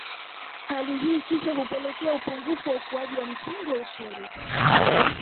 Hali hii kisha hupelekea upungufu wa ukuaji wa msingi wa ushuru